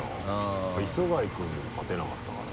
やっぱ磯貝君でも勝てなかったからね。